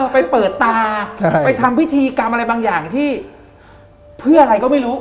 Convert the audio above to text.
ไปเปิดตาไปทำพิธีกรรมอะไรบางอย่างที่เพื่ออะไรก็ไม่รู้